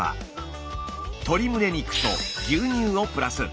鶏胸肉と牛乳をプラス。